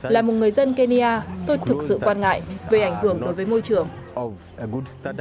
là một người dân kenya tôi thực sự quan ngại về ảnh hưởng đối với môi trường